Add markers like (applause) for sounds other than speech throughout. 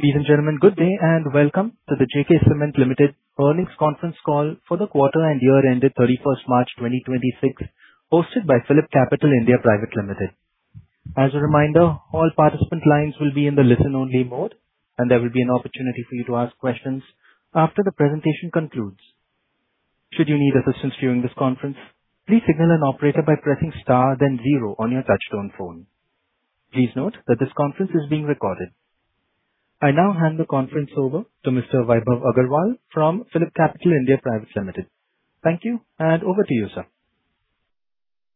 Ladies and gentlemen, good day and welcome to the JK Cement Limited earnings conference call for the quarter and year ended 31st March 2026, hosted by PhillipCapital India Private Limited. As a reminder, all participant lines will be in the listen-only mode, and there will be an opportunity for you to ask questions after the presentation concludes. Should you need assistance during this conference, please signal an operator by pressing star then zero on your touchtone phone. Please note that this conference is being recorded. I now hand the conference over to Mr. Vaibhav Agarwal from PhillipCapital India Private Limited. Thank you, and over to you, sir.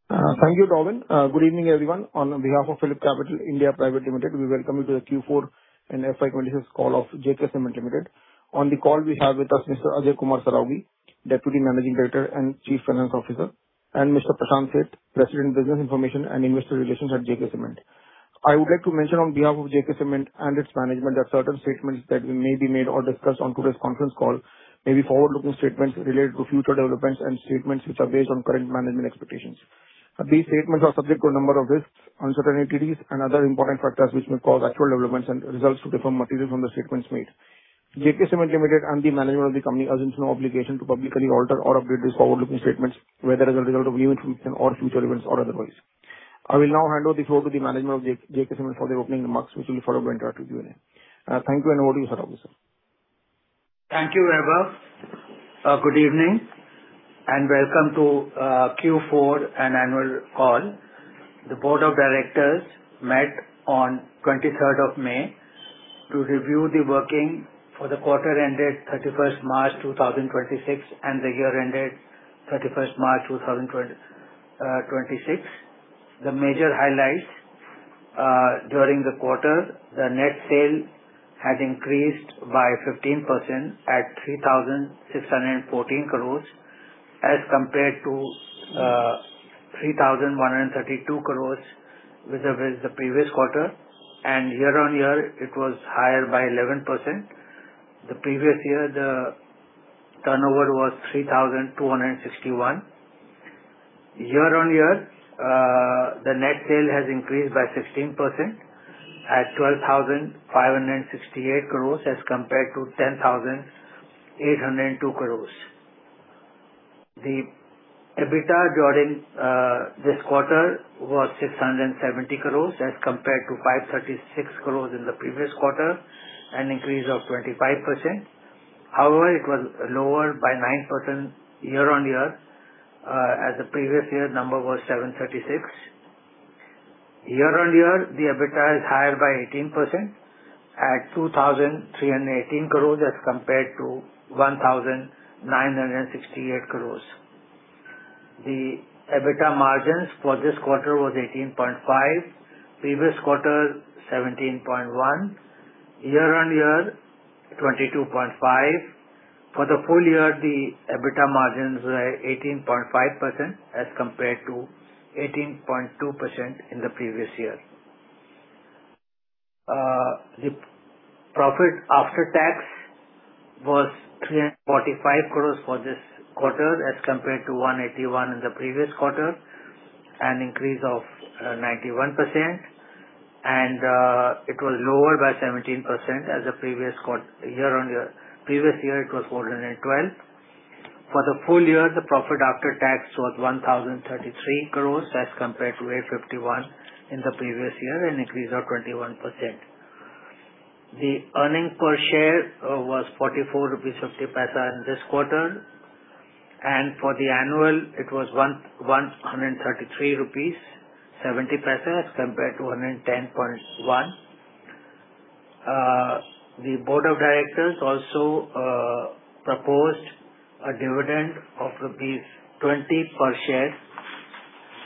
Thank you, Robin. Good evening, everyone. On behalf of PhillipCapital India Private Limited, we welcome you to the Q4 and FY 2026 call of JK Cement Limited. On the call, we have with us Mr. Ajay Kumar Saraogi, Deputy Managing Director & Chief Financial Officer, and Mr. Prashant Seth, President, Business Information and Investor Relations at JK Cement. I would like to mention on behalf of JK Cement and its management that certain statements that may be made or discussed on today's conference call may be forward-looking statements related to future developments and statements which are based on current management expectations. These statements are subject to a number of risks, uncertainties, and other important factors which may cause actual developments and results to differ materially from the statements made. JK Cement Limited and the management of the company assume no obligation to publicly update or upgrade these forward-looking statements, whether as a result of new information or future events or otherwise. I will now hand over the floor to the management of JK Cement for the opening remarks before we open it up to Q&A. Thank you, and over to you, Saraogi sir. Thank you, Vaibhav. Good evening, welcome to Q4 and annual call. The Board of Directors met on 23rd of May to review the working for the quarter ended 31st March 2026 and the year ended 31st March 2026. The major highlights, during the quarter, the net sale has increased by 15% at 3,614 crores as compared to 3,132 crores vis-à-vis the previous quarter, year-on-year, it was higher by 11%. The previous year, the turnover was INR 3,261. Year-on-year, the net sale has increased by 16% at 12,568 crores as compared to 10,802 crores. The EBITDA during this quarter was 670 crores as compared to 536 crores in the previous quarter, an increase of 25%. However, it was lower by 9% year-on-year as the previous year number was 736. Year-on-year, the EBITDA is higher by 18% at 2,318 crores as compared to 1,968 crores. The EBITDA margins for this quarter were 18.5%, previous quarter, 17.1%. year-on-year, 22.5%. For the full year, the EBITDA margins were 18.5% as compared to 18.2% in the previous year. The profit after tax was 345 crore for this quarter, as compared to 181 crore in the previous quarter, an increase of 91%, and it was lower by 17% as previous year it was 412 crore. For the full year, the profit after tax was 1,033 crore as compared to 851 crore in the previous year, an increase of 21%. The earning per share was 44.60 rupees in this quarter, and for the annual it was 133.70 rupees as compared to 110.1. The Board of Directors also proposed a dividend of rupees 20 per share,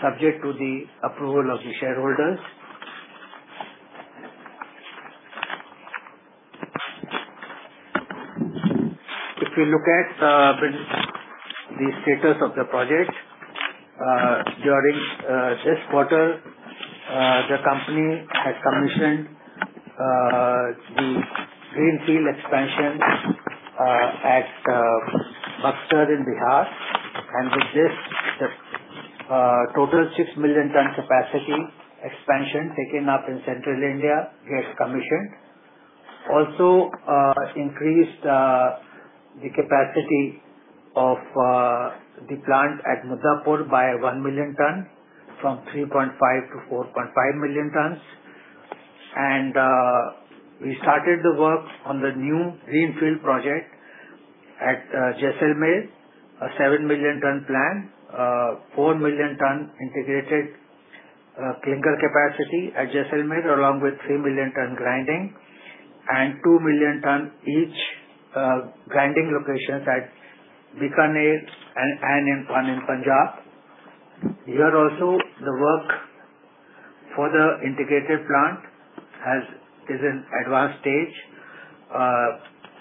subject to the approval of the shareholders. If you look at the status of the project, during this quarter, the company has commissioned the greenfield expansion at Buxar in Bihar. With this, the total 6 million tonnes capacity expansion taken up in Central India gets commissioned. Also increased the capacity of the plant at Muddapur by 1 million tonnes 3.5 million tonnes to 4.5 million tonnes. We started the work on the new greenfield project at Jaisalmer, 4 million tonnes integrated clinker capacity at Jaisalmer, along 3 million tonnes grinding and 2 million tonnes each grinding locations at Bikaner and one in Punjab. Here also, the work for the integrated plant is in advanced stage.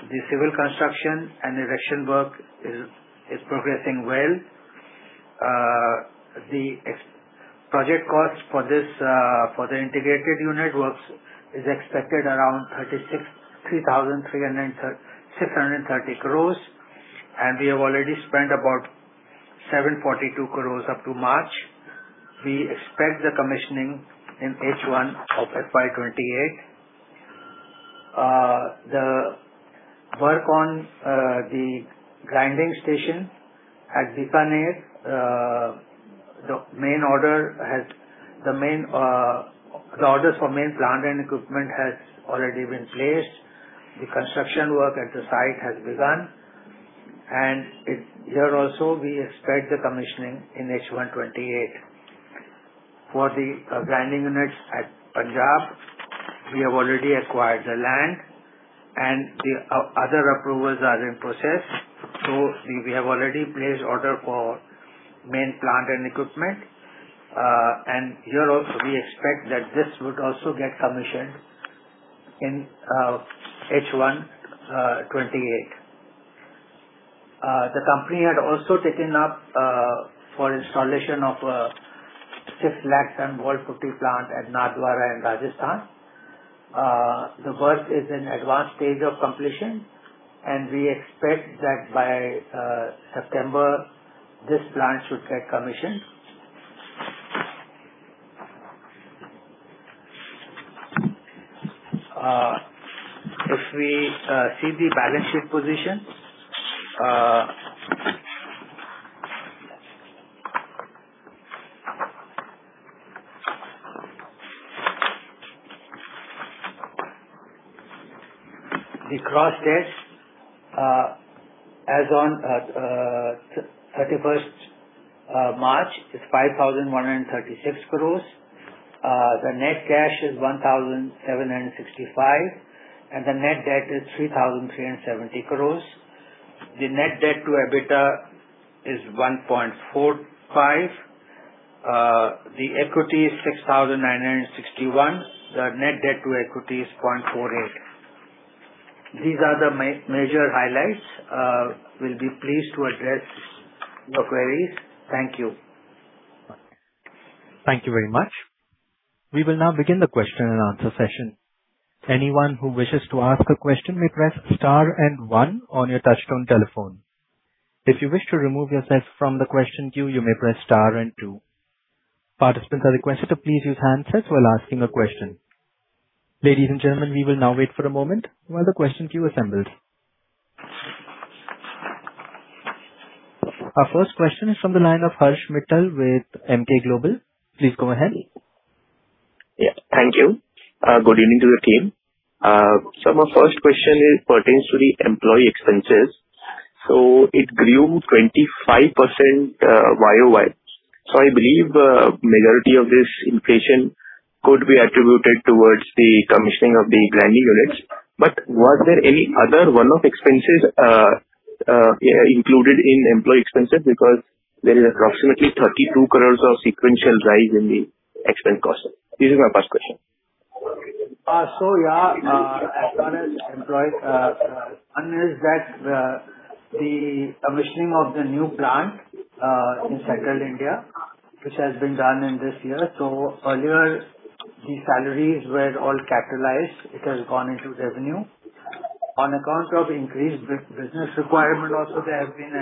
The civil construction and erection work is progressing well. The project cost for the integrated unit works is expected around 3,630 crore. We have already spent about 742 crore up to March. We expect the commissioning in H1 of FY 2028. The work on the grinding station at Bikaner, the order for main plant and equipment has already been placed. The construction work at the site has begun. Here also, we expect the commissioning in H1 2028. For the grinding units at Punjab, we have already acquired the land. The other approvals are in process. We have already placed order for main plant and equipment. Here also, we expect that this would also get commissioned in H1 2028. The company had also taken up for installation of a 6 lakh ton Wall Putty plant at Nathdwara in Rajasthan. The work is in advanced stage of completion. We expect that by September, this plant should get commissioned. If we see the balance sheet position, the gross debt as on 31st March is 5,136 crores. The net cash is 1,765 crores. The net debt is 3,370 crores. The net debt to EBITDA is 1.45x. The equity is 6,961. The net debt to equity is 0.48x. These are the major highlights. We will be pleased to address your queries. Thank you. Thank you very much. We will now begin the question-and-answer session. Anyone who wishes to ask a question may press star and one on your touchtone telephone. If you wish to remove yourself from the question queue, you may press star and two. Participants are requested to please use handsets while asking a question. Ladies and gentlemen, we will now wait for a moment while the question queue assembles. Our first question is from the line of Harsh Mittal with Emkay Global. Please go ahead. Yeah, thank you. Good evening to the team. My first question pertains to the employee expenses. It grew 25% YoY. I believe majority of this inflation could be attributed towards the commissioning of the grinding units. Were there any other one-off expenses included in employee expenses because there is approximately 32 crores of sequential rise in the expense cost? This is my first question. Yeah, as far as employees, that's the commissioning of the new plant in Central India, which has been done in this year. Earlier, the salaries were all capitalized. It has gone into revenue. On account of increased business requirement also, there have been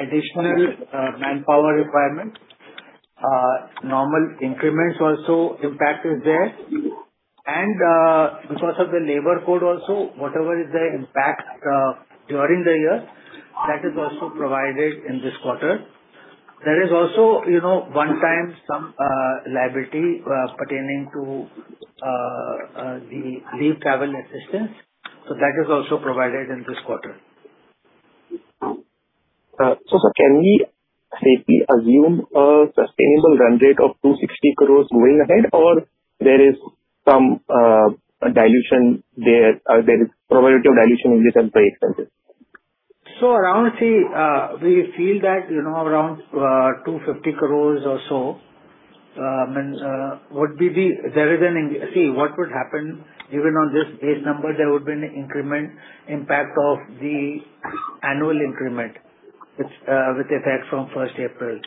additional manpower requirements. Normal increments also impact is there. Because of the labor code also, whatever is their impact during the year, that is also provided in this quarter. There is also one-time some liability pertaining to the free travel assistance. That is also provided in this quarter. Can we safely assume a sustainable run rate of 260 crores going ahead or there is some dilution there is probability of dilution in the employee expenses? We feel that around 250 crore or so. What would happen, even on this base number, there would be an increment impact of the annual increment with effect from 1st April.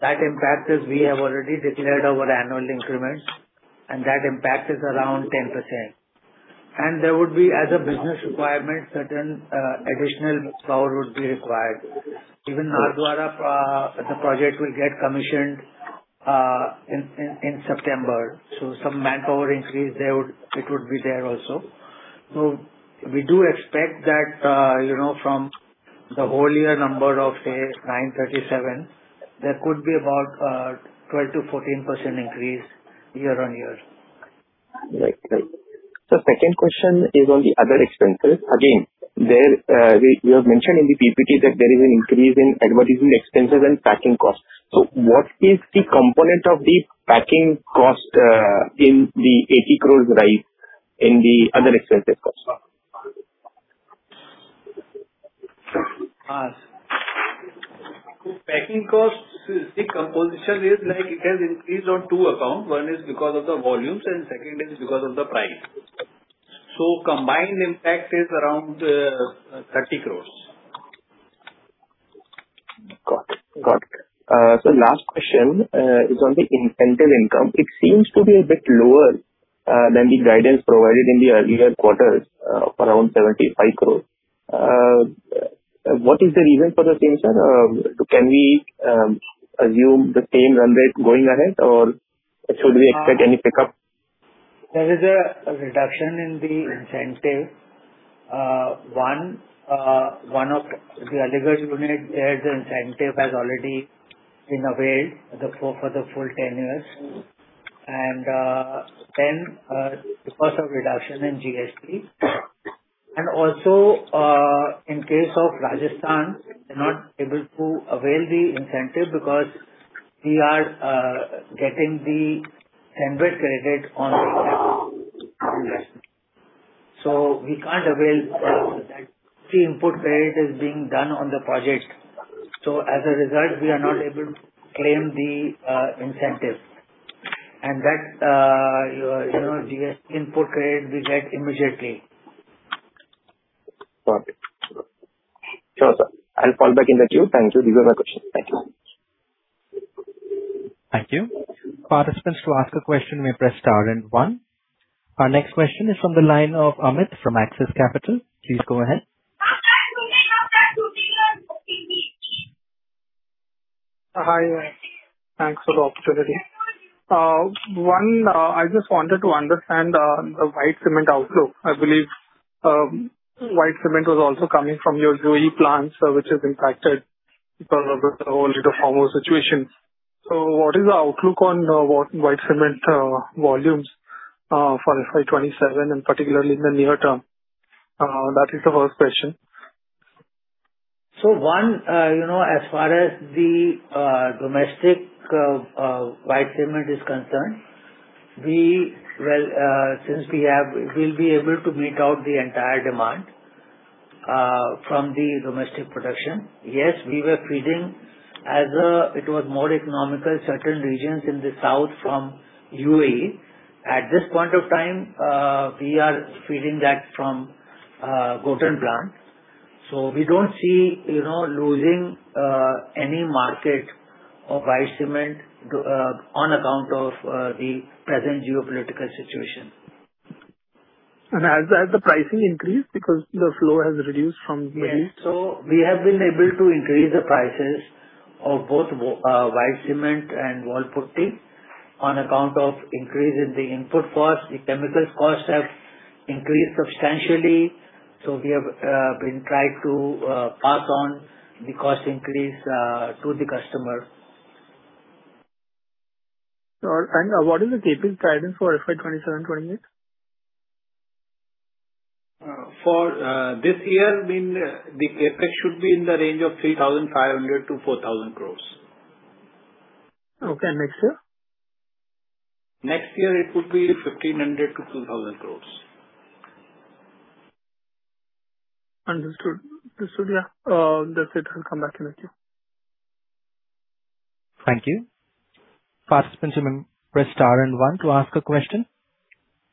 That impact is we have already declared our annual increment, and that impact is around 10%. There would be other business requirements, certain additional manpower would be required. Even Nimbahera, the project will get commissioned in September, some manpower increase, it would be there also. We do expect that from the whole year number of say 937 crore, there could be about 12%-14% increase year-on-year. Right. Second question is on the other expenses. Again, you have mentioned in the PPT that there is an increase in advertising expenses and packing costs. What is the component of the packing cost in the 80 crores rise in the other expenses? Packing cost, the composition is that it has increased on two accounts. One is because of the volumes, and second is because of the price. Combined impact is around 30 crores. Got it. Last question is on the incidental income. It seems to be a bit lower than the guidance provided in the earlier quarters, around 75 crores. What is the reason for the same, sir? Can we assume the same run rate going ahead, or should we expect any pickup? There is a reduction in the incentive. One, the eligible unit there is incentive has already been availed for the full 10 years. Because of reduction in GST. In case of Rajasthan, we're not able to avail the incentive because we are getting the embedded credit on the GST. We can't avail, the input credit is being done on the project. As a result, we are not able to claim the incentive and that GST input credit we get immediately. Got it. Sure, sir. I'll call back in the queue. Thank you for your question. Thank you. Thank you. Participants to ask a question may press star and one. Our next question is on the line of Amit from Axis Capital. Please go ahead. Hi. Thanks for the opportunity. One, I just wanted to understand the White Cement outlook. I believe White Cement was also coming from your U.A.E. plant, which is impacted because of the geopolitical situation. What is the outlook on White Cement volumes for FY 2027 and particularly in the near term? That is the first question. One, as far as the domestic White Cement is concerned, since we will be able to meet out the entire demand from the domestic production. Yes, we were feeding as it was more economical, certain regions in the south from U.A.E. At this point of time, we are feeding that from Gotan plant. We don't see losing any market of White Cement on account of the present geopolitical situation. Has the pricing increased because the flow has reduced from? Yes. We have been able to increase the prices of both White Cement and Wall Putty on account of increase in the input cost. The chemical costs have increased substantially, so we have been trying to pass on the cost increase to the customer. Sure. What is the CapEx guidance for FY 2027, 2028? For this year, the CapEx should be in the range of 3,500 crores-4,000 crores. Okay. Next year? Next year it could be 1,500 crores-2,000 crores. Understood. That's it. I'll come back to you. Thank you. Participants may press star and one to ask a question.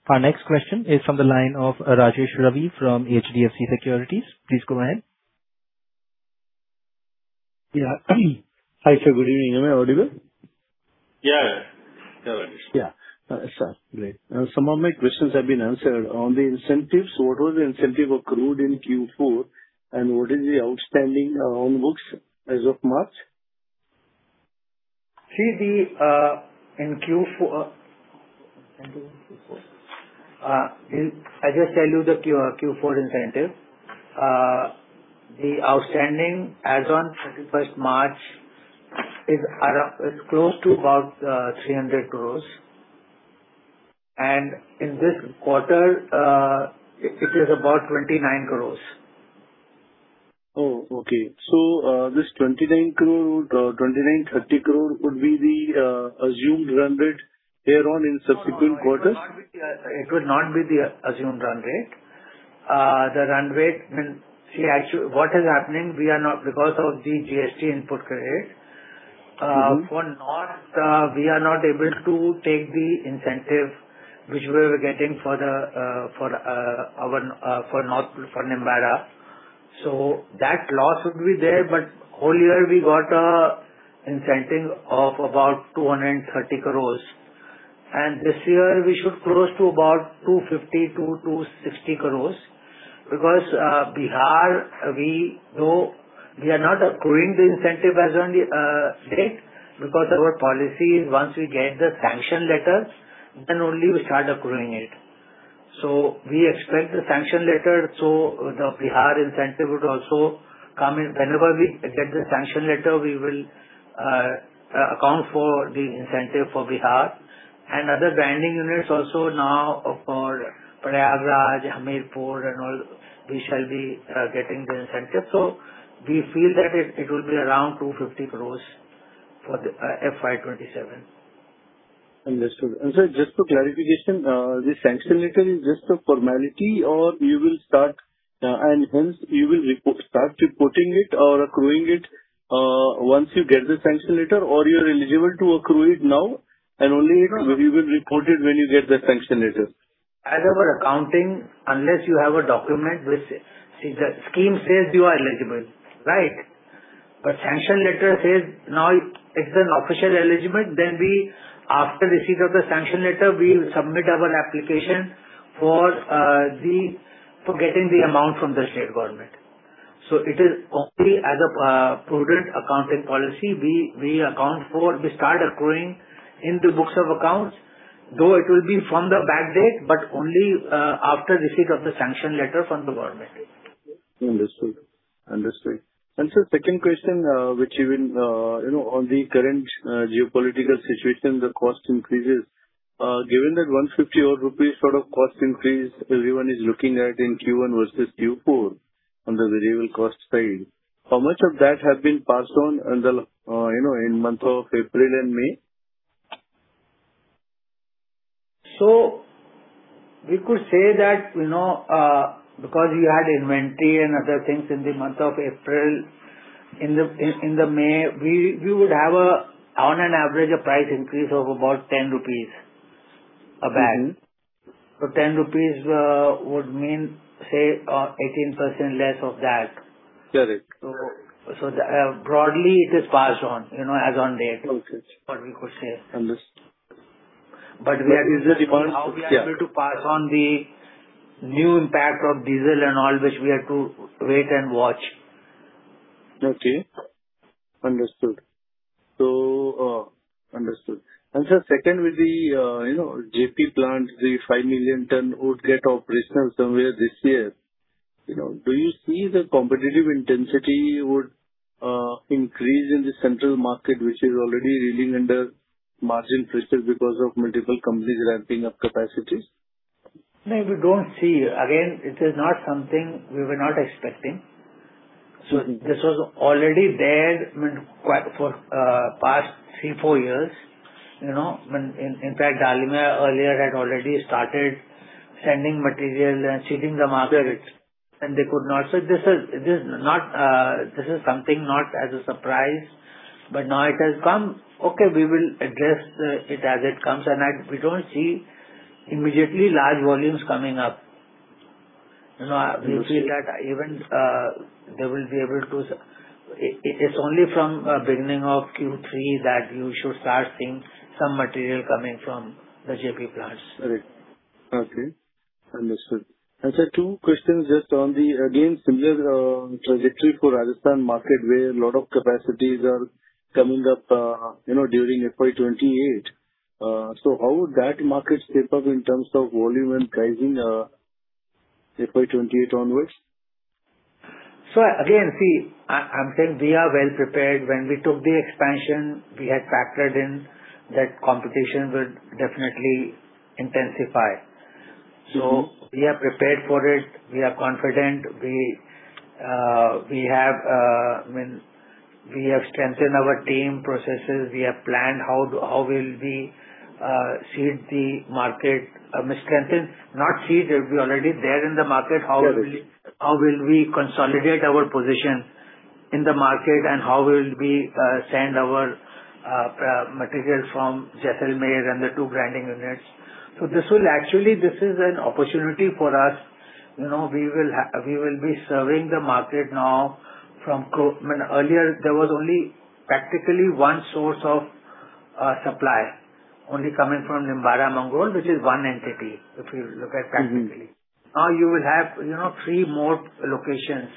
Our next question is on the line of Rajesh Ravi from HDFC Securities. Please go ahead. Yeah. Hi, sir. Good evening. Am I audible? Yeah. Go ahead. Yeah. Great. Some of my questions have been answered. On the incentives, what was the incentive accrued in Q4, and what is the outstanding on books as of March? I just tell you the Q4 incentive. The outstanding as on 31st March is close to about 300 crores. In this quarter it is about 29 crores. Oh, okay. This 29 crore-30 crore could be the assumed run rate here on in subsequent quarters? It would not be the assumed run rate. What is happening, because of the GST input credit. For north, we are not able to take the incentive which we were getting for Nimbahera. That loss will be there. Whole year we got a incentive of about 230 crores. This year we should close to about 250 crores-260 crores because Bihar, we are not accruing the incentive as on the date, because our policy is once we get the sanction letters, then only we start accruing it. We expect the sanction letter, the Bihar incentive would also come in. Whenever we get the sanction letter, we will account for the incentive for Bihar. Other grinding units also now for Prayagraj, Hamirpur, and all, we shall be getting the incentive. We feel that it will be around 250 crores for FY 2027. Understood. Sir, just for clarification, the sanction letter is just a formality or you will start and hence you will start reporting it or accruing it once you get the sanction letter or you're eligible to accrue it now and only you will report it when you get the sanction letter? As our accounting, unless you have a document which the scheme says you are eligible. Right? The sanction letter says now it's an official allotment. After receipt of the sanction letter, we will submit our application to get the amount from the state government. It is only as a prudent accounting policy, we account for. We start accruing in the books of accounts, though it will be from the back date, but only after receipt of the sanction letter from the government. Understood. Sir, second question, which even on the current geopolitical situation, the cost increases. Given that 150 rupees sort of cost increase everyone is looking at in Q1 versus Q4 on the raw material cost side, how much of that have been passed on in the month of April and May? We could say that because you had inventory and other things in the month of April, in the May, we would have on an average a price increase of about 10 rupees a bag. 10 rupees would mean, say, 18% less of that. Got it. Broadly, it is passed on, as on date. Okay Is what we could say. Understood. But we are- Yes. How we are going to pass on the new impact of diesel and all, which we have to wait and watch. Okay. Understood. Sir, second with the Jaypee plant, the 5 million tonnes would get operational somewhere this year. Do you see the competitive intensity would increase in the Central market, which is already reeling under margin pressure because of multiple companies ramping up capacities? No, we don't see. Again, it is not something we were not expecting. This was already there for past three, four years. In fact, Dalmia earlier had already started sending material and seeding the market. Correct They could not. This is something not as a surprise, but now it has come. Okay, we will address it as it comes. We don't see immediately large volumes coming up. Okay. We will see that even they will be able to It's only from beginning of Q3 that you should start seeing some material coming from the Jaypee plants. Correct. Okay. Understood. Sir, two questions just on the, again, similar trajectory for Rajasthan market where a lot of capacities are coming up during FY 2028. How would that market shape up in terms of volume and pricing FY 2028 onwards? Again, see, I'm saying we are well-prepared. When we took the expansion, we had factored in that competition would definitely intensify. We are prepared for it. We are confident. We have strengthened our team processes. We have planned how we'll seed the market. I mean, strengthen, not seed, we're already there in the market. Correct. How will we consolidate our position in the market, and how will we send our material from Jaisalmer and the two grinding units. This is an opportunity for us. We will be serving the market now. Earlier, there was only practically one source of supply, only coming from Nimbahera, Mangrol, which is one entity, if you look at technically. Now you will have three more locations,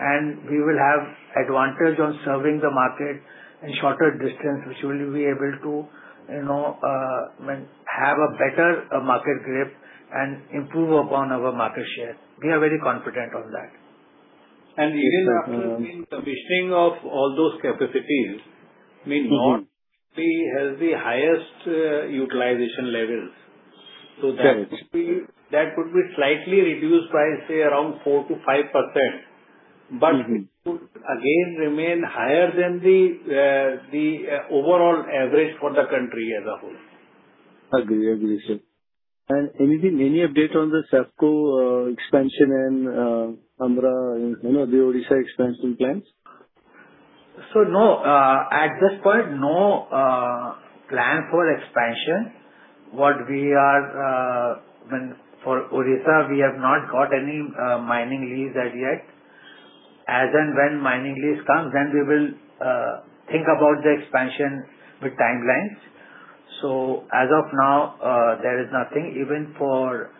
and we will have advantage on serving the market in shorter distance, which we will be able to have a better market grip and improve upon our market share. We are very confident of that. Even after the commissioning of all those capacities. No We has the highest utilization levels. Correct. That would be slightly reduced by, say, around 4%-5%. Would again remain higher than the overall average for the country as a whole. Agree. Understood. Anything, any update on the Saifco expansion and Toshali, the Odisha expansion plans? No. At this point, no plan for expansion. For Odisha, we have not got any mining lease as yet. As and when mining lease comes, then we will think about the expansion with timelines. As of now, there is nothing. Even for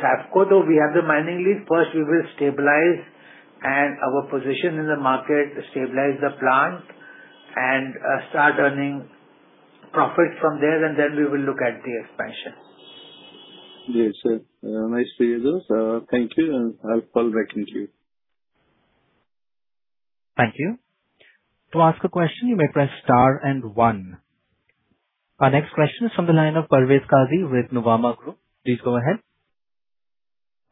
Saifco, though we have the mining lease, first we will stabilize our position in the market, stabilize the plant, and start earning profit from there, and then we will look at the expansion. Yes, sir. Nice to hear those. Thank you, and I'll follow back with you. Thank you. To ask a question, you may press star and one. Our next question is from the line of Parvez Qazi with Nuvama Group. Please go ahead.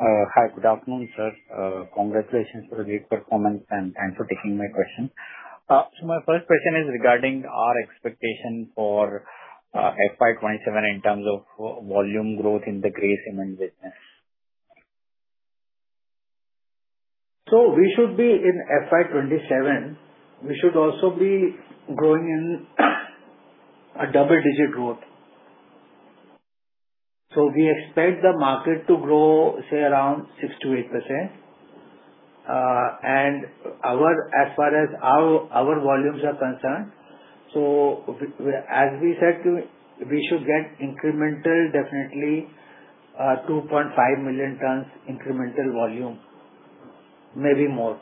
Hi, good afternoon, sir. Congratulations for the great performance, and thanks for taking my question. My first question is regarding our expectation for FY 2027 in terms of volume growth in the Grey Cement business. We should be in FY 2027, we should also be growing in a double-digit growth. We expect the market to grow, say, around 6%-8%. As far as our volumes are concerned, as we said, we should get definitely 2.5 million tonnes incremental volume, maybe more.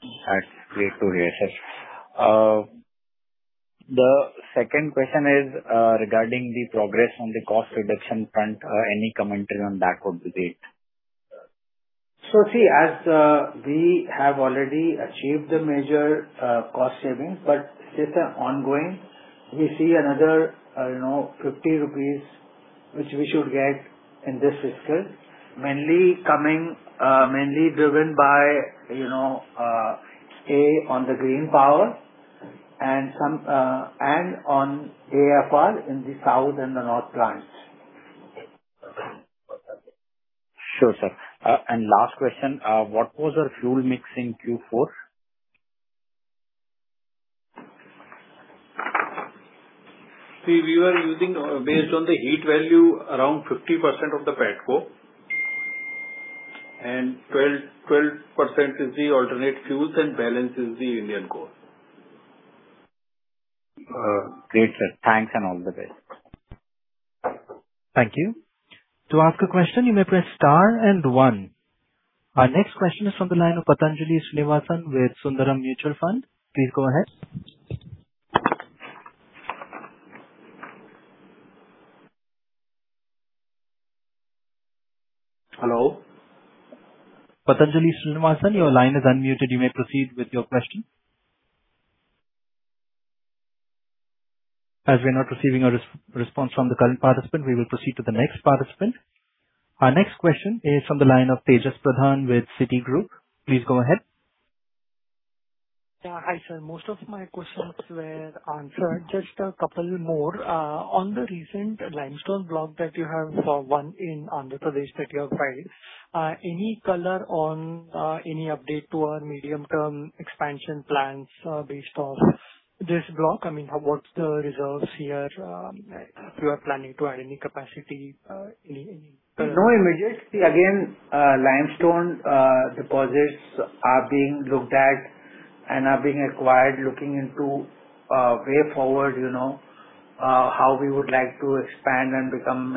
That's great to hear, sir. The second question is regarding the progress on the cost reduction front. Any commentary on that or the date? As we have already achieved the major cost savings, but this is ongoing. We see another 50 rupees, which we should get in this fiscal, mainly driven by stay on the green power and on AFR in the South and the North plants. Sure, sir. Last question, what was our fuel mix in Q4? See, we were using, based on the heat value, around 50% of the pet coke, 12% is the alternate fuels, balance is the Indian coal. Great, sir. Thanks and all the best. Thank you. Our next question is from the line of Pathanjali Srinivasan with Sundaram Mutual Fund. Please go ahead. Hello. Pathanjali Srinivasan, your line is unmuted. You may proceed with your question. As we're not receiving a response from the current participant, we will proceed to the next participant. Our next question is from the line of Tejas Pradhan with Citigroup. Please go ahead. Yeah, hi sir, most of my questions were answered, just a couple more. On the recent limestone block that you have won in Andhra Pradesh that you acquired, any color on any update to our medium-term expansion plans based off this block? I mean, what's the reserves here? If you are planning to add any capacity in. (audio distortion) No, we may just see again, limestone deposits are being looked at and have been acquired looking into way forward, how we would like to expand and become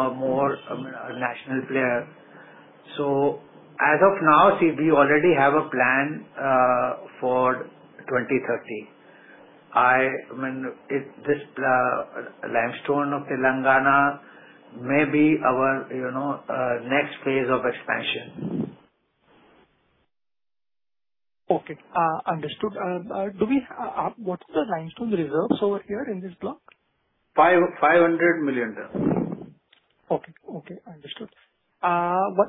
a more national player. As of now, see, we already have a plan for 2030. I mean, this limestone of Telangana may be our next phase of expansion. Okay, understood. What's the limestone reserves over here in this block? 500 million tonnes. Okay. Understood.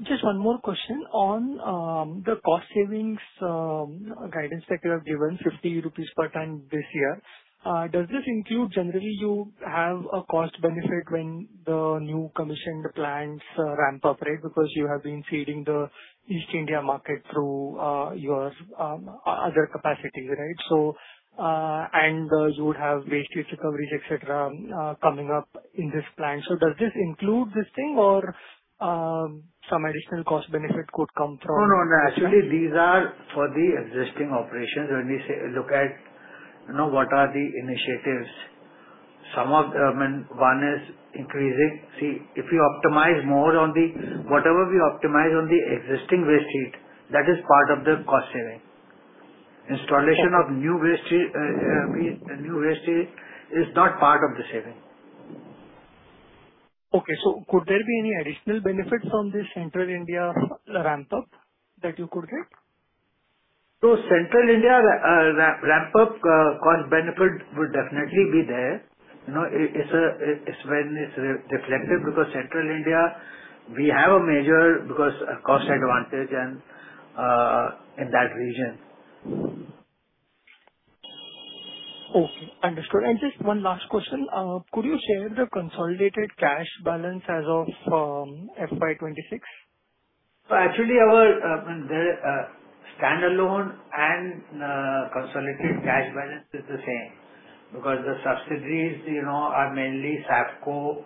Just one more question on the cost savings guidance that you have given, 50 rupees per ton this year. Does this include generally, you have a cost benefit when the new commissioned plants ramp up, right? Because you have been feeding the East India market through your other capacity, right? You would have waste heat recovery, et cetera, coming up in this plant. Does this include this thing or some additional cost benefit could come from? No, naturally, these are for the existing operations. When we look at what are the initiatives. One is increasing. See, whatever we optimize on the existing waste heat, that is part of the cost saving. Installation of new waste heat is not part of the saving. Okay, could there be any additional benefit from the Central India ramp-up that you could get? Central India ramp-up cost benefit will definitely be there. It's when it's reflected because Central India, we have a major cost advantage in that region. Okay, understood. Just one last question. Could you share the consolidated cash balance as of FY 2026? Actually, our standalone and consolidated cash balance is the same because the subsidiaries are mainly Saifco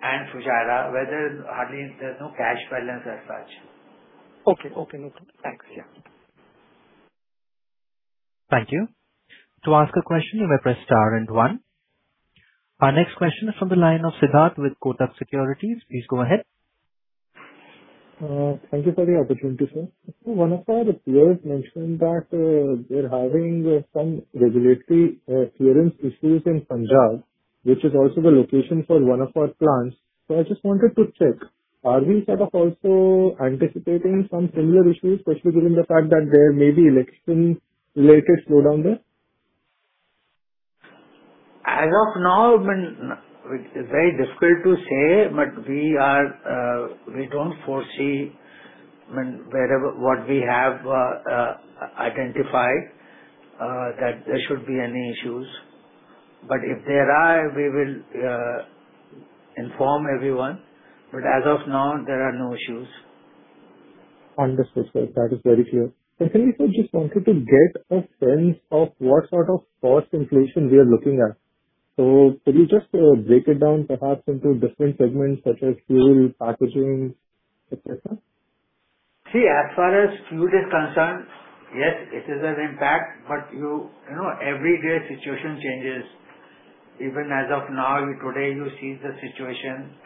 and Fujairah, where there's no cash balance as such. Okay. Thanks. Thank you. To ask a question, you may press star then one. Our next question is from the line of Siddharth with Kotak Securities. Please go ahead. Thank you for the opportunity, sir. One of our peers mentioned that they're having some regulatory clearance issues in Punjab, which is also the location for one of our plants. I just wanted to check, are we sort of also anticipating some similar issues, particularly with the fact that there may be election related slowdown there? As of now, it's very difficult to say, but we don't foresee wherever what we have identified that there should be any issues. If there are, we will inform everyone. As of now, there are no issues. Understood, sir. That is very clear. Secondly, sir, just wanted to get a sense of what sort of cost inflation we are looking at. Could you just break it down perhaps into different segments such as fuel, packaging, et cetera? As far as fuel is concerned, yes, it is an impact, but every day situation changes. Even as of now, today you see the situation.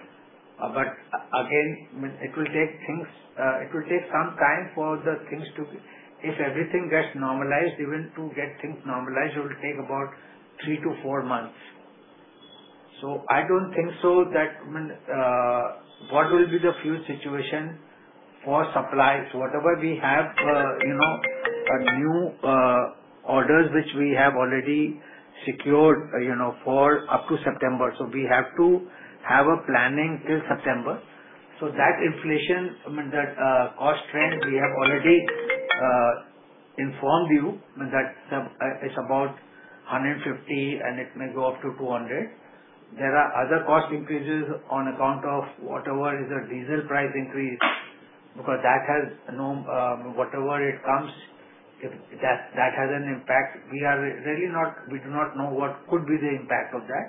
Again, it will take some time. Even to get things normalized, it will take about three to four months. I don't think so that what will be the fuel situation for supplies. Whatever we have new orders which we have already secured up to September. We have to have a planning till September. That inflation, that cost trend, we have already informed you that it's about 150 and it may go up to 200. There are other cost increases on account of whatever is the diesel price increase, because that has, whatever it comes, that has an impact. We do not know what could be the impact of that.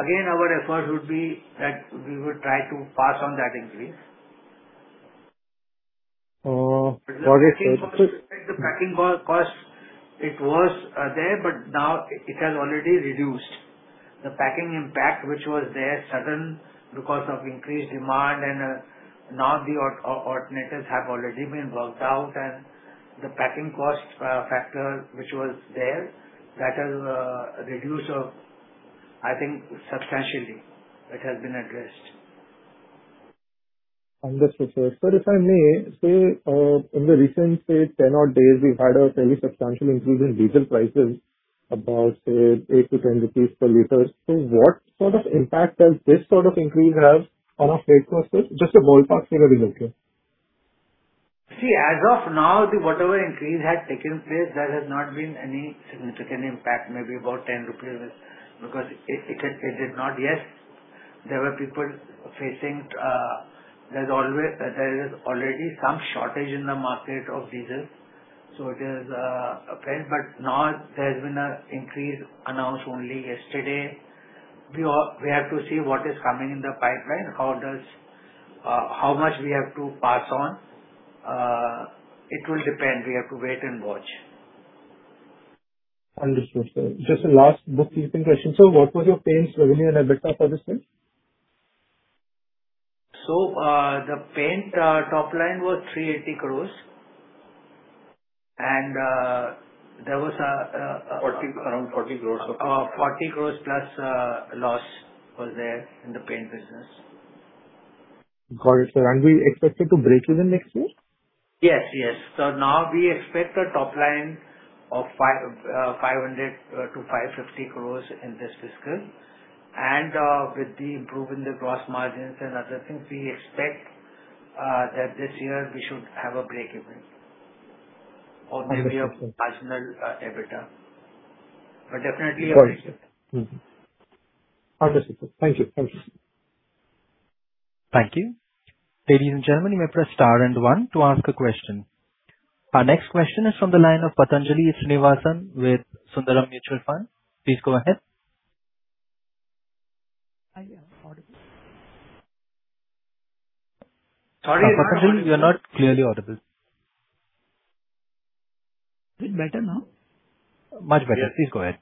Again, our effort would be that we would try to pass on that increase. Got it. The packing cost, it was there, but now it has already reduced. The packing impact which was there sudden because of increased demand, and now the alternatives have already been worked out and the packing cost factor which was there, that has reduced I think substantially. It has been addressed. Understood, sir. Sir, if I may, say in the recent, say 10-odd days, we've had a very substantial increase in diesel prices, about 8-10 rupees per liter. What sort of impact does this sort of increase have on your prices? Just a ballpark figure will do. As of now, whatever increase has taken place, there has not been any significant impact, maybe about INR 10. There is already some shortage in the market of diesel. It is a trend, but now there's been an increase announced only yesterday. We have to see what is coming in the pipeline, how much we have to pass on. It will depend. We have to wait and watch. Understood, sir. Just the last two, three questions. Sir, what was your paints revenue and EBITDA for this quarter? The paint top line was 380 crores. Around 40 crores. 40+ crores loss was there in the paint business. Got it, sir. We expect it to break even next year? Yes. Now we expect a top line of 500 crore-550 crore in this fiscal. With the improvement in the gross margins and other things, we expect that this year we should have a break-even or maybe a marginal EBITDA. Definitely. Got it. Thank you. Thank you. Thank you. Ladies and gentlemen, you may press star and one to ask a question. Our next question is from the line of Pathanjali Srinivasan with Sundaram Mutual Fund. Please go ahead. I am audible. Pathanjali, you're not clearly audible. Is it better now? Much better. Please go ahead.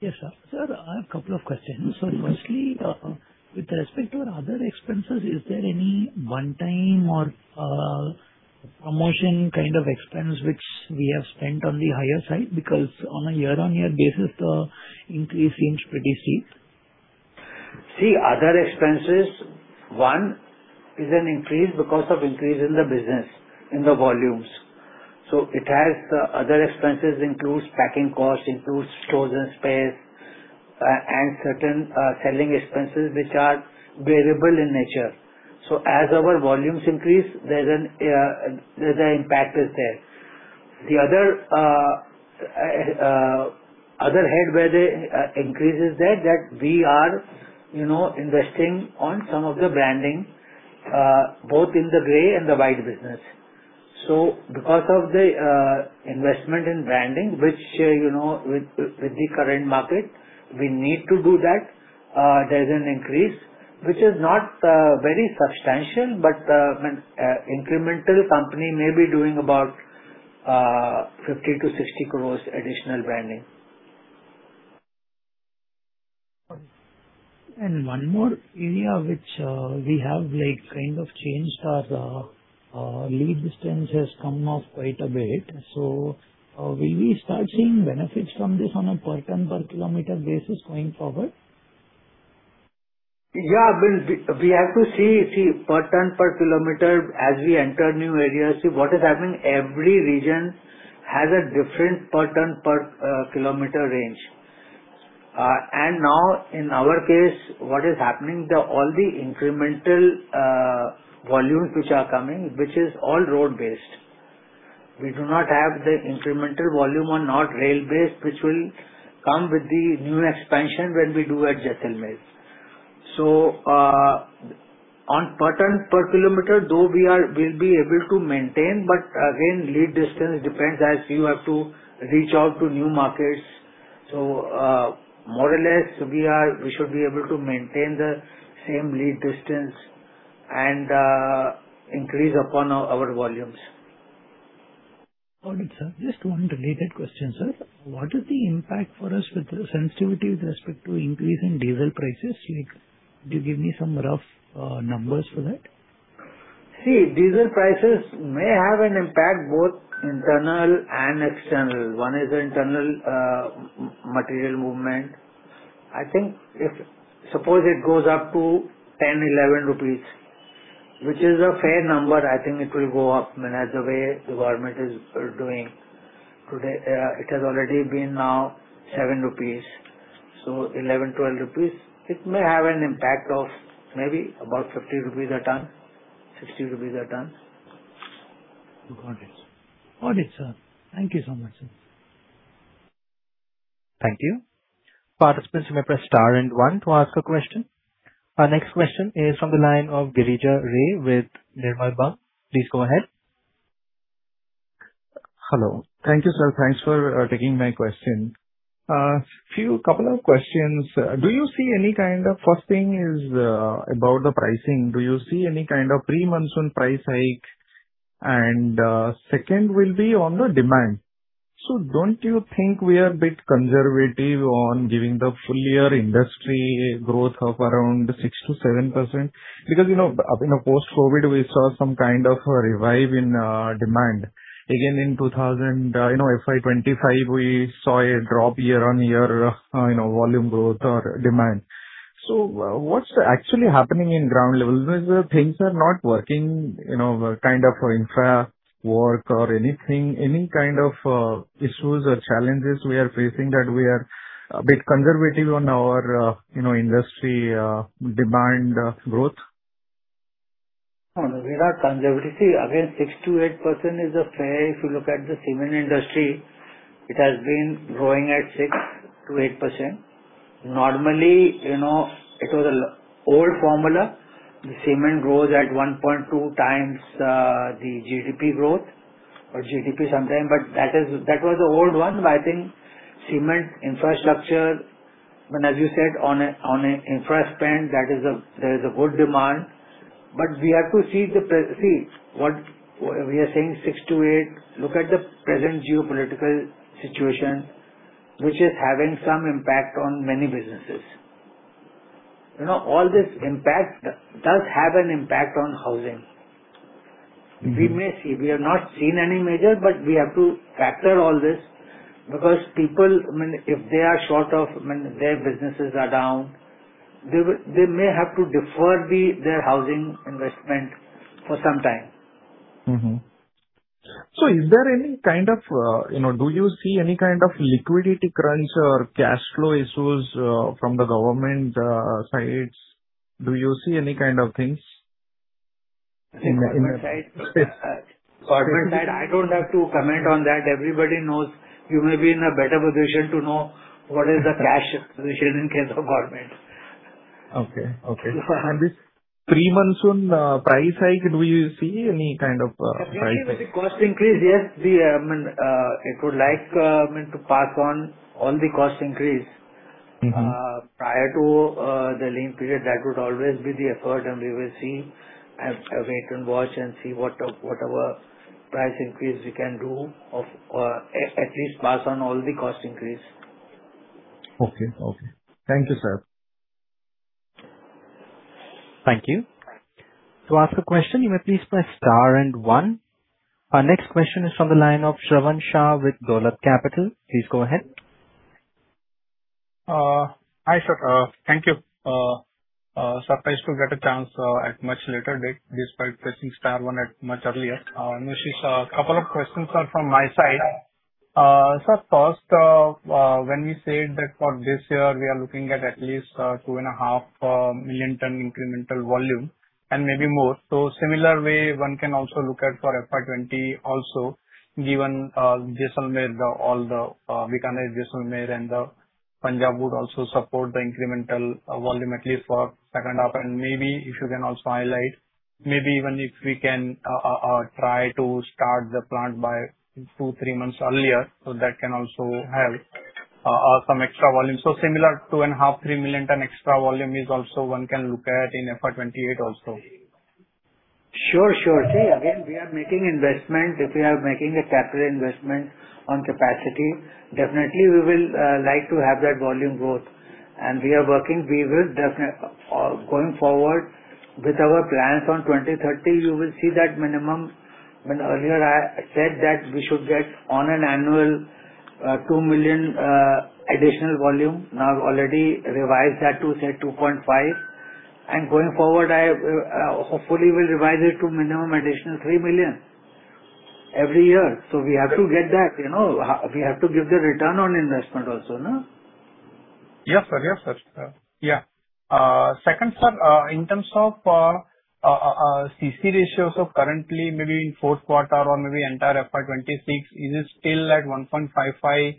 Yes, sir. Sir, I have a couple of questions. Firstly, with respect to your other expenses, is there any one-time or promotion kind of expense which we have spent on the higher side? On a year-on-year basis, the increase seems pretty steep. Other expenses, one is an increase because of increase in the business, in the volumes. Other expenses includes packing cost, includes stores and space, and certain selling expenses which are variable in nature. As our volumes increase, the impact is there. The other head where the increase is there, that we are investing on some of the branding, both in the Grey and the White business. Because of the investment in branding, which with the current market, we need to do that, there's an increase, which is not very substantial, but incremental company may be doing about 50 crore-60 crore additional branding. One more area which we have kind of changed as our lead distance has come off quite a bit. Will we start seeing benefits from this on a per ton per kilometer basis going forward? Yeah, we have to see, per ton per kilometer as we enter new areas. What is happening, every region has a different per ton per kilometer range. Now in our case, what is happening, all the incremental volumes which are coming, which is all road-based. We do not have the incremental volume on North Railway, which will come with the new expansion when we do at Jaisalmer. On ton per kilometer, though we'll be able to maintain, but again, lead distance depends as you have to reach out to new markets. More or less, we should be able to maintain the same lead distance and increase upon our volumes. Got it, sir. Just one related question, sir. What is the impact for us with the sensitivity with respect to increase in diesel prices? Could you give me some rough numbers for that? See, diesel prices may have an impact both internal and external. One is the internal material movement. I think if suppose it goes up to 10 rupees, 11 rupees, which is a fair number, I think it will go up as the way government is doing today. It has already been now 7 rupees. 11, 12 rupees, it may have an impact of maybe about 50 rupees a ton, 60 rupees a ton. Got it, sir. Thank you so much, sir. Thank you. Participants may press star and one to ask a question. Our next question is from the line of Girija Ray with Nirmal Bang. Please go ahead. Hello. Thank you, sir. Thanks for taking my question. A couple of questions. First thing is about the pricing. Do you see any kind of pre-monsoon price hike? Second will be on the demand. Don't you think we are a bit conservative on giving the full year industry growth of around 6%-7%? Post-COVID, we saw some kind of revive in demand. In FY 2025, we saw a drop year-on-year volume growth or demand. What's actually happening in ground level? Things are not working, kind of infra work or anything, any kind of issues or challenges we are facing that we are a bit conservative on our industry demand growth. No, we are conservative. Again, 6%-8% is fair. If you look at the cement industry, it has been growing at 6%-8%. Normally, it was an old formula. The cement grows at 1.2x the GDP growth or GDP sometimes, that was the old one. I think cement infrastructure, as you said, on an infra spend there is a good demand. We have to see what we are saying 6%-8%. Look at the present geopolitical situation, which is having some impact on many businesses. All this does have an impact on housing. We may see. We have not seen any major, but we have to factor all this because people, if they are short of their businesses are down, they may have to defer their housing investment for some time. Do you see any kind of liquidity crunch or cash flow issues from the government sides? Do you see any kind of things? Government side, I don't have to comment on that. Everybody knows you may be in a better position to know what is the cash position in case of government. Okay. For this pre-monsoon price hike, do you see any kind of price hike? Cost increase, yes. We would like to pass on all the cost increase. Prior to the link period. That would always be the effort, and we can watch and see what price increase we can do, or at least pass on all the cost increase. Okay. Thank you, sir. Thank you. To ask a question please press star then one. Our next question is from the line of Shravan Shah with Dolat Capital. Please go ahead. Hi, sir. Thank you. Surprised to get a chance at much later date despite pressing star one much earlier. [Mr. Shah], a couple of questions from my side. Sir, first, when you said that for this year, we are looking at least 2.5 million tonnes incremental volume and maybe more. Similar way, one can also look at for FY 2020 also, given all the Panna, Jaisalmer and the Punjab would also support the incremental volume, at least for second half. Maybe if you can also highlight, maybe even if we can try to start the plant by two, three months earlier, so that can also have some extra volume. Similar 2.5 million tonnes, 3 million tonnes extra volume is also one can look at in FY 2028 also. Sure. See, again, we are making investment. If we are making a capital investment on capacity, definitely we will like to have that volume growth. We are working. Going forward with our plans on 2030, you will see that minimum. Earlier I said that we should get on an annual 2 million tonnes additional volume. Now I've already revised that to say 2.5 million tonnes, and going forward, hopefully we'll revise it to minimum additional 3 million tonnes every year. We have to get that. We have to give the ROI also. Yes, sir. Second, sir, in terms of CC ratios currently, maybe in fourth quarter or maybe entire FY 2026, is it still at 1.55x?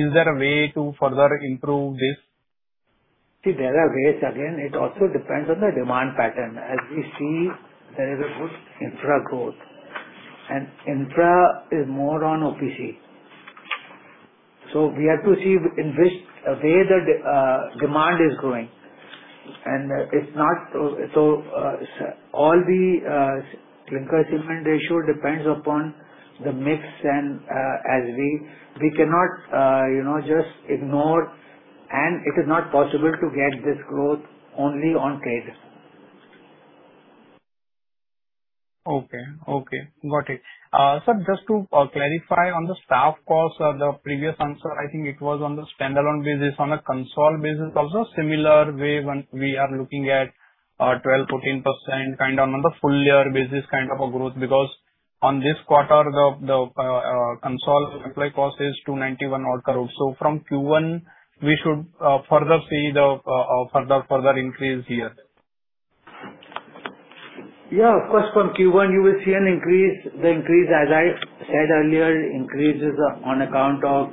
Is there a way to further improve this? See, there are ways, again, it also depends on the demand pattern. As we see, there is a good infra growth, and infra is more on OPC. We have to see in which way the demand is going. All the clinker cement ratio depends upon the mix. We cannot just ignore, and it is not possible to get this growth only on grades. Okay. Got it. Sir, just to clarify on the staff cost or the previous answer, I think it was on the standalone basis. On a consolidated basis also similar way when we are looking at 12%-13% kind of on the full year basis growth, because on this quarter, the consolidated staff cost is 291-odd crore. From Q1, we should further see the further increase here. Yeah, of course, from Q1, you will see an increase. The increase, as I said earlier, increases on account of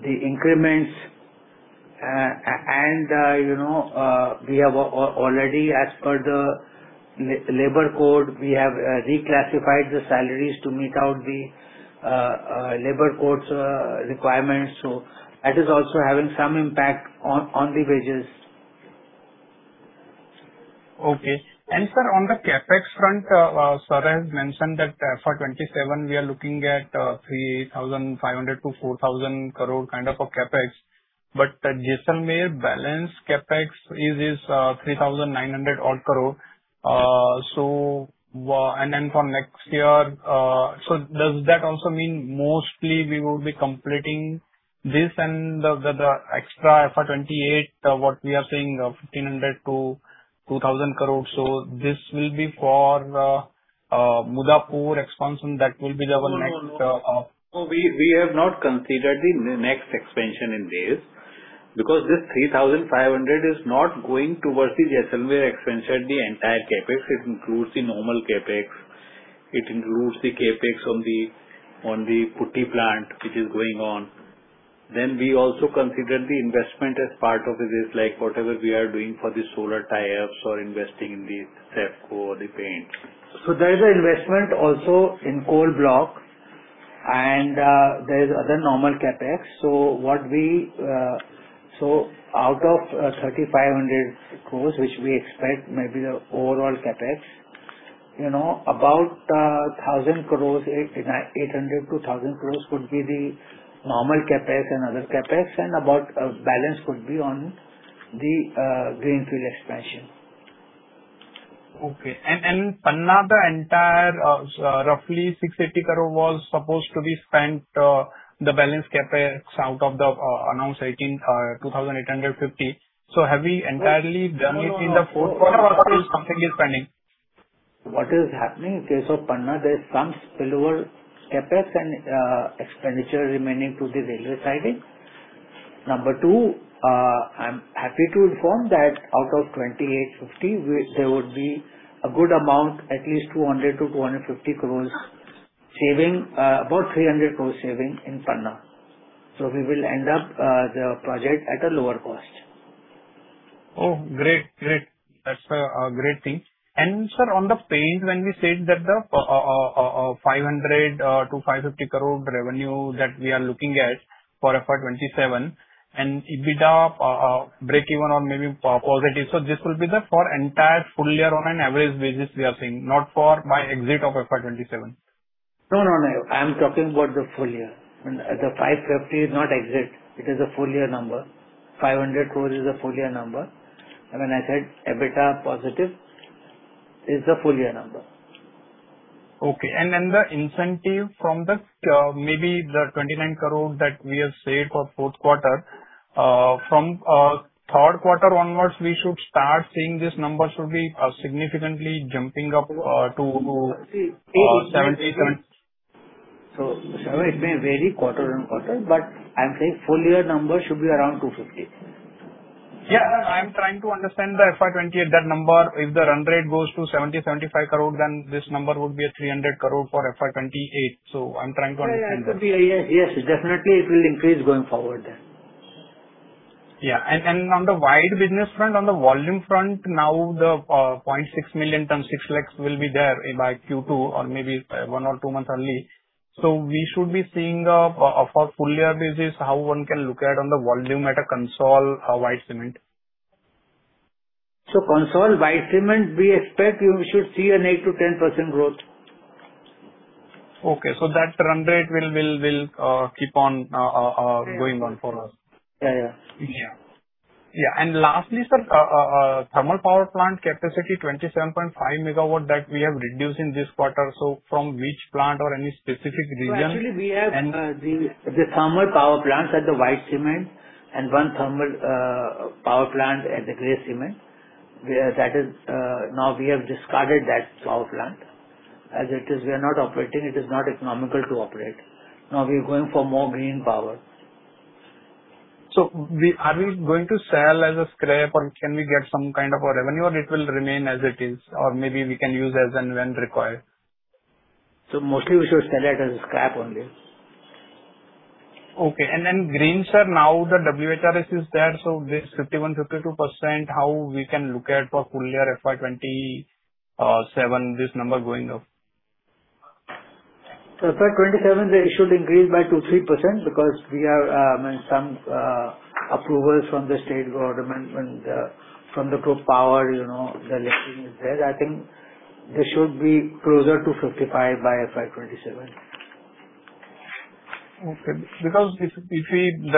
the increments. We have already, as per the labor code, we have reclassified the salaries to meet out the labor code's requirements. That is also having some impact on the wages. Okay. Sir, on the CapEx front, sir has mentioned that for FY 2027, we are looking at 3,500 crore-4,000 crore kind of a CapEx. The Jaisalmer may balance CapEx is 3,900-odd crore. Then for next year, does that also mean mostly we will be completing this and the extra for FY 2028, what we are saying 1,500 crore-2,000 crore? This will be for Muddapur expansion that will be the next- No. We have not considered the next expansion in this because this 3,500 crores is not going towards the Jaisalmer expansion, the entire CapEx. It includes the normal CapEx. It includes the CapEx on the Putty plant which is going on. We also considered the investment as part of this, like whatever we are doing for the solar tie-ups or investing in the Acro Paints. There’s an investment also in coal block and there’s other normal CapEx. Out of 3,500 crores, which we expect maybe the overall CapEx, about 800 crores-1,000 crores could be the normal CapEx and other CapEx and about balance could be on the greenfield expansion. Okay. Panna, the entire roughly 650 crore was supposed to be spent, the balance CapEx out of the announced 18,250. Have we entirely done it in the fourth quarter or still completely pending? What is happening in case of Panna, there's some spillover CapEx and expenditure remaining to the regular siding. Number two, I'm happy to inform that out of 2,850, there would be a good amount, at least 200 crore-250 crore saving, about 300 crore saving in Panna. We will end up the project at a lower cost. Great. That’s a great thing. Sir, on the paint, when we said that the 500 crore-550 crore revenue that we are looking at for FY 2027 and EBITDA breakeven or maybe positive. This will be for entire full year on an average basis, we are saying, not for by exit of FY 2027. No, I'm talking about the full year. The 550 crore is not exit, it is a full year number. 500 crore is a full year number. When I said EBITDA positive, it's a full year number. Okay. The incentive from maybe the 29 crore that we have saved for fourth quarter, from third quarter onwards, we should start seeing this number should be significantly jumping up to 70 crore. It may vary quarter-on-quarter, but I'm saying full year number should be around 250 crore. I'm trying to understand the FY 2028 number. If the run rate goes to 70 crore-75 crore, this number would be 300 crore for FY 2028. I'm trying to understand. Yes, definitely it will increase going forward then. Yeah. On the White business front, on the volume front, now the 0.6 million tonnes, 6 lakh will be there by Q2 or maybe one or two months only. We should be seeing for full year basis how one can look at on the volume at a consolidated White Cement. Consolidated White Cement, we expect you should see an 8%-10% growth. Okay. That run rate will keep on going on for us. Yeah. Yeah. Lastly, sir, thermal power plant capacity 27.5 MW that we have reduced in this quarter. From which plant or any specific region? Actually, we have the Thermal Power Plants at the White Cement and one thermal power plant at the Grey Cement. We have discarded that power plant. As it is, we are not operating. It is not economical to operate. We're going for more green power. Are we going to sell as a scrap or can we get some kind of a revenue, or it will remain as it is? Maybe we can use as and when required. Mostly we should sell it as a scrap only. Okay. green, sir, now the WHRS is there, this 51%, 52%, how we can look at for full year FY 2027, this number going up? FY 2027, it should increase by 2%-3% because some approvals from the state government and from the power, the listing is there. I think they should be closer to 55% by FY 2027. Okay. The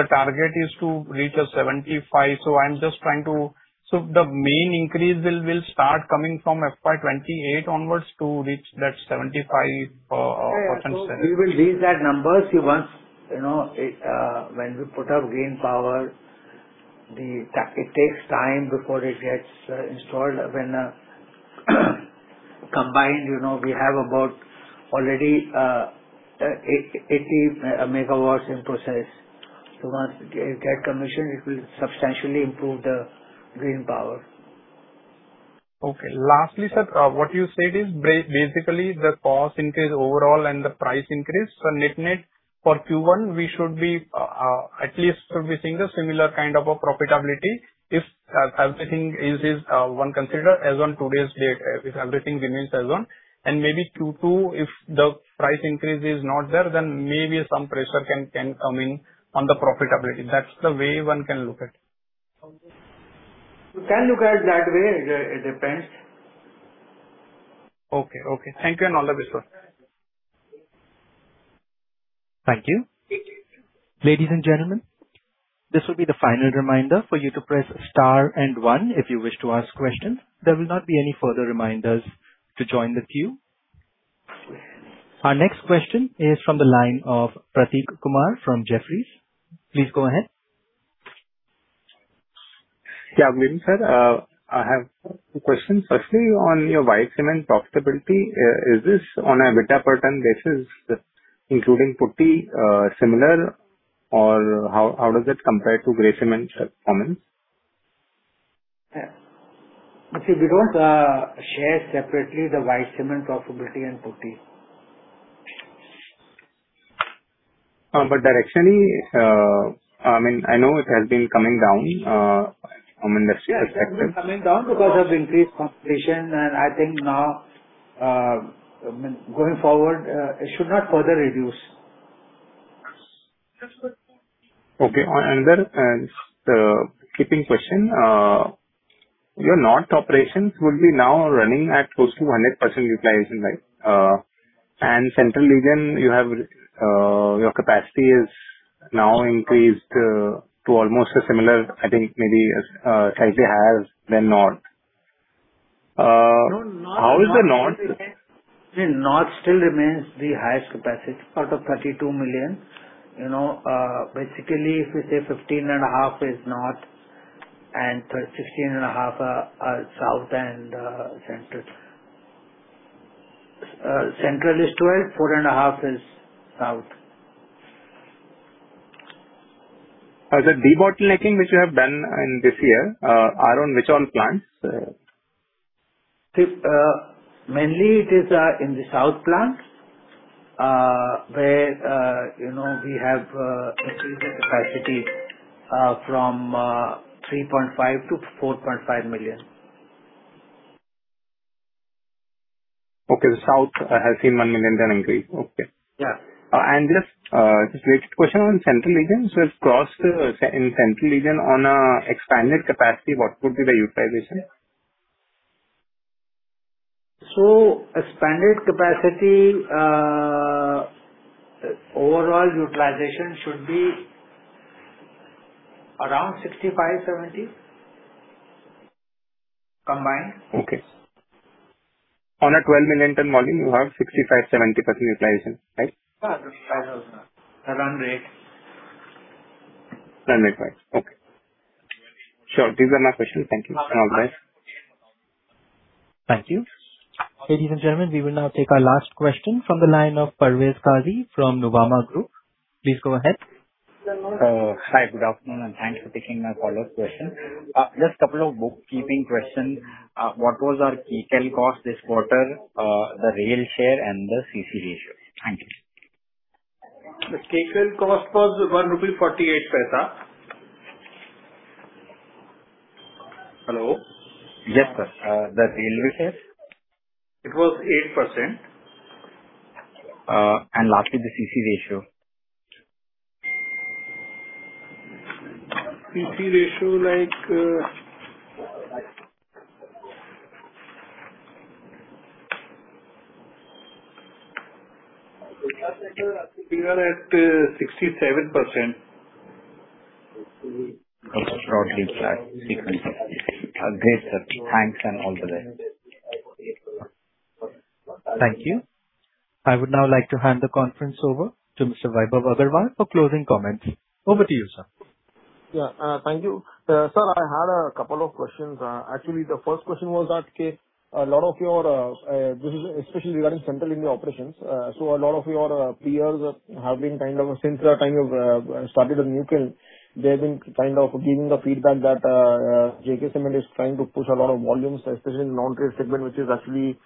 target is to reach 75%. The main increase will start coming from FY 2028 onwards to reach that 75%. We will reach that number, Q1. When we put up green power, it takes time before it gets installed. When combined, we have about already 80 MW in process. Once it gets commissioned, it will substantially improve the green power. Okay. Lastly, sir, what you said is basically the cost increase overall and the price increase. Net net for Q1, we should be at least within a similar kind of profitability. If calculating is one considered as on today's date, if everything remains as on, maybe Q2, if the price increase is not there, some pressure can come in on the profitability. That's the way one can look at. You can look at it that way. It depends. Okay. Thank you, and all the best. Thank you. Ladies and gentlemen, this will be the final reminder for you to press star and one if you wish to ask questions. There will not be any further reminders to join the queue. Our next question is from the line of Prateek Kumar from Jefferies. Please go ahead. Yeah. Good evening, sir. I have two questions. Firstly, on your White Cement profitability, is this on an EBITDA per ton basis, including Putty, similar, or how does it compare to Grey Cement ton? Actually, we don't share separately the White Cement profitability and Putty. Directionally, I know it has been coming down from an industrial segment. It has been coming down because of increased competition. I think now, going forward, it should not further reduce. Okay. Another key question. Your North operations will be now running at close to 100% utilization, right? Central region, your capacity is now increased to almost a similar, I think maybe slightly as the North. How is the North? North still remains the highest capacity out of 32 million tonnes. Basically, if we say 15.5 million tonnes is North and 16.5 million tonnes South and Central. Central is 12 million tonnes, 4.5 million tonnes is South. The debottlenecking which you have done in this year are on which all plants? Mainly it is in the South plants, where we have increased capacity from 3.5 million tones to 4.5 million tonnes. Okay. The south has 3 million tonnes increase. Okay. Yeah. Just a quick question on Central region. It crossed in Central region on expanded capacity, what would be the utilization? Expanded capacity, overall utilization should be around 65%-70%, combined. Okay. On a 12 million tonnes volume, you have 65%-70% utilization, right? Around there. Around there. Right. Okay. Sure. These are my questions. Thank you. All the best. Thank you. Ladies and gentlemen, we will now take our last question from the line of Parvez Qazi from Nuvama Group. Please go ahead. Hi, good afternoon, thanks for taking my follow-up question. Just a couple of bookkeeping questions. What was our [clinker] cost this quarter, the rail share, and the CC ratio? Thank you. The [clinker] cost was INR 1.48. Hello? Yes, sir. The railway share? It was 8%. Lastly, the CC ratio. CC ratio, like We are at 67%. Okay. Thanks, and all the best. Thank you. I would now like to hand the conference over to Mr. Vaibhav Agarwal for closing comments. Over to you, sir. Yeah. Thank you. Sir, I had a couple of questions. Actually, the first question was that, especially regarding Central India operations, a lot of your peers have been kind of, since you started the new plant, giving the feedback that JK Cement is trying to push a lot of volumes, especially in non-trade segment, which is actually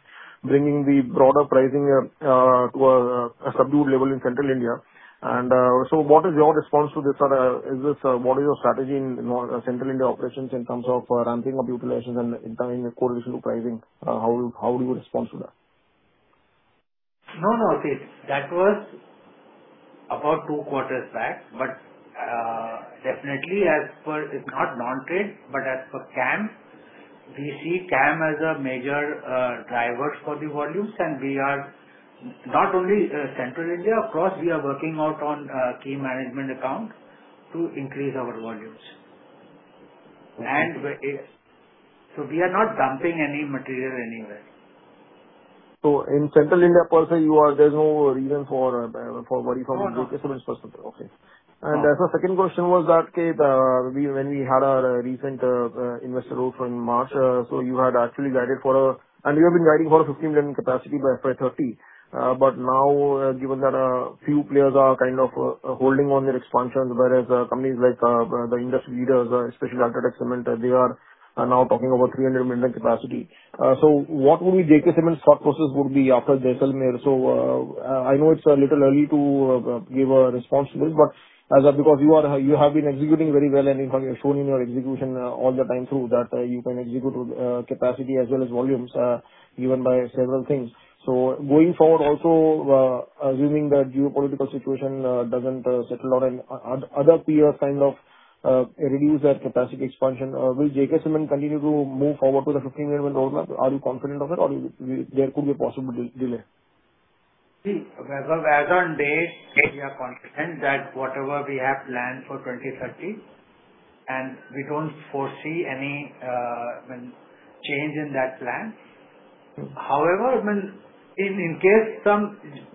bringing the broader pricing to a subdued level in Central India. What is your response to this? What is your strategy in Central India operations in terms of ramping up utilization and maintaining core issue pricing? How do you respond to that? No. Okay. That was about two quarters back. Definitely, it's not non-trade, but as for KAM, we see KAM as a major driver for the volumes, and we are not only Central India, of course, we are working out on key management accounts to increase our volumes. We are not dumping any material anywhere. In Central India also, there's no reason for worry from JK Cement's perspective. Okay. No. As a second question was that, when we had our recent investor roadshow in March, you have been guiding for 15 million tonnes capacity by FY 2030, now, given that a few players are kind of holding on their expansions, whereas companies like the industry leaders, especially Adani Cement, they are now talking about 300 million tonnes capacity. What would be JK Cement's thought process would be after Jaisalmer? I know it's a little early to give a response to this, but because you have been executing very well and you have been showing your execution all the time through that you can execute capacity as well as volumes given by several things. Going forward also, assuming that geopolitical situation doesn't settle down and other peers kind of release that capacity expansion, will JK Cement continue to move forward with the 15 million toones roadmap? Are you confident of it or there could be a possible delay? See, as of as on date, we are confident that whatever we have planned for 2030, and we don't foresee any change in that plan. However, if in case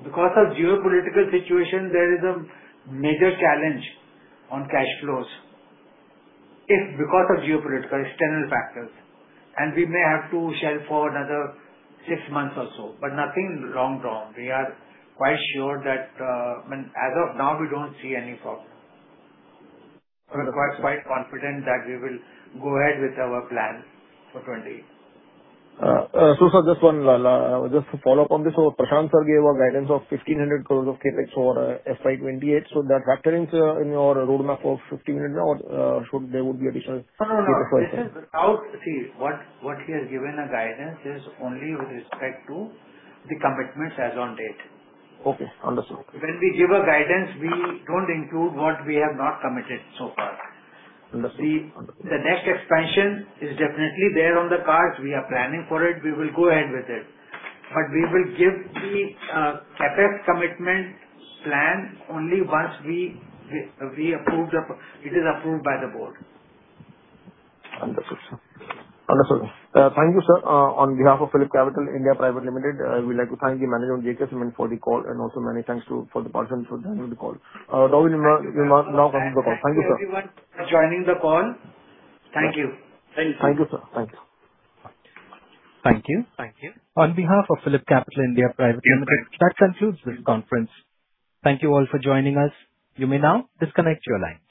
because of geopolitical situation, there is a major challenge on cash flows, if because of geopolitical, external factors, and we may have to shelf for another six months or so, but nothing long-term. We are quite sure that as of now, we don't see any problem. We're quite confident that we will go ahead with our plan for 2030. Sir, just to follow up on this, Prashant gave a guidance of 1,500 crores of CapEx for FY 2028. That factors in your roadmap of 1,500 crores or there would be additional INR 300 crores-INR 400 crores? No. See, what he has given a guidance is only with respect to the commitments as on date. Okay. Understood. When we give a guidance, we don't include what we have not committed so far. Understood. The next expansion is definitely there on the card. We are planning for it. We will go ahead with it. But we will give the CapEx commitment plan only once it is approved by the Board. Understood. Thank you, sir. On behalf of PhillipCapital India Private Limited, I would like to thank the management of JK Cement for the call and also many thanks to you for the participation in the call. Robin will now come off the call. Thank you, sir. Thank you everyone for joining the call. Thank you. Thank you, sir. Thanks. Thank you. Thank you. On behalf of PhillipCapital India Private Limited, that concludes this conference. Thank you all for joining us. You may now disconnect your lines.